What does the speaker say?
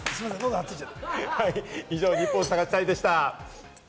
以上、ニッポン探し隊でした。